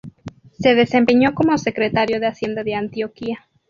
Se desempeñó como secretario de Hacienda de Antioquia.